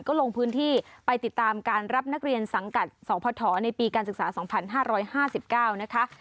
ก็ลงพื้นที่ไปติดตามการรับนักเรียนสังกัดสพในปีการศึกษา๒๕๕๙นะคะ